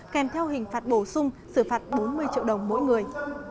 kèm theo hình phạt bổ sung xử phạt bốn mươi triệu đồng mỗi người